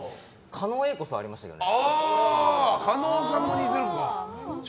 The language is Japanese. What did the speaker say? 狩野英孝さんはありましたけどね。